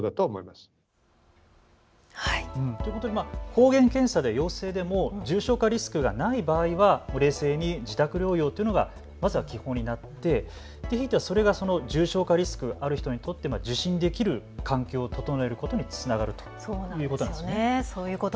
抗原検査で陽性でも重症化リスクがない場合は冷静に自宅療養というのがまず基本になってそれが重症化リスクのある人には環境を整えることにつながるということですね。